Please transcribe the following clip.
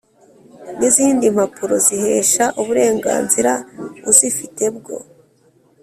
n izindi mpapuro zihesha uburenganzira uzifite bwo